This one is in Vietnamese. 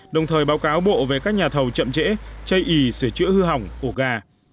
đồng thời báo cáo bộ về các nhà thầu chậm trễ chây ý sửa chữa hư hỏng của ga